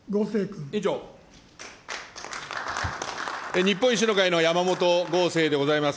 日本維新の会の山本剛正でございます。